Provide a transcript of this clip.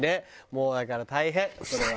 もうだから大変それは。